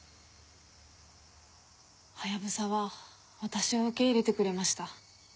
ハヤブサは私を受け入れてくれました。